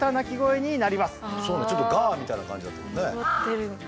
ちょっと「ガァ」みたいな感じだったもんね。